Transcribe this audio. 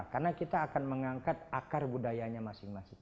karena kita akan mengangkat akar budayanya masing masing